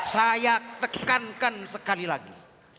saya tekankan sekali lagi